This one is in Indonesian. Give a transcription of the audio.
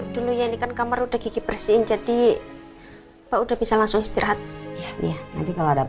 dulu ya ini kan kamar udah gigi bersihin jadi pak udah bisa langsung istirahat ya iya nanti kalau ada